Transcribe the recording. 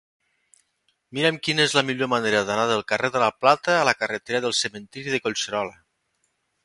Mira'm quina és la millor manera d'anar del carrer de la Plata a la carretera del Cementiri de Collserola.